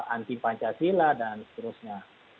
anti pancasila dan seterusnya